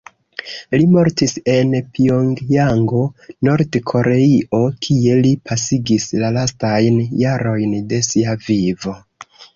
Li mortis en Pjongjango, Nord-Koreio kie li pasigis la lastajn jarojn de sia vivo.